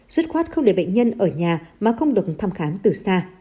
sứt khoát không để bệnh nhân ở nhà mà không được thăm kháng từ xa